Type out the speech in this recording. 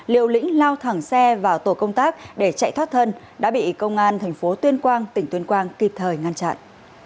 liều lĩnh lao thẳng xe vào tổ công tác để chạy thoát thân đã bị công an thành phố tuyên quang tỉnh tuyên quang kịp thời ngăn chặn